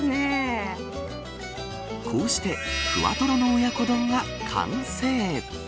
こうしてふわとろの親子丼が完成。